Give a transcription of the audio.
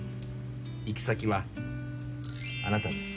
行き先はあなたです。